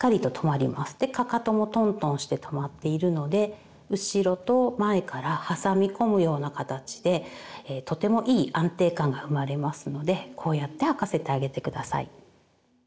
でかかともトントンしてとまっているので後ろと前から挟み込むような形でとてもいい安定感が生まれますのでこうやって履かせてあげて下さい。